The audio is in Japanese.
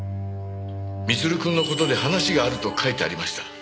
光留くんの事で話があると書いてありました。